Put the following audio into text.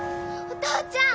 お父ちゃん！